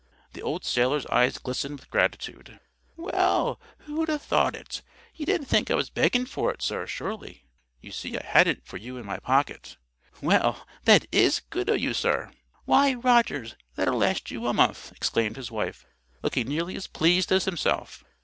The old sailor's eyes glistened with gratitude. "Well, who'd ha' thought it. You didn't think I was beggin' for it, sir, surely?" "You see I had it for you in my pocket." "Well, that IS good o' you, sir!" "Why, Rogers, that'll last you a month!" exclaimed his wife, looking nearly as pleased as himself.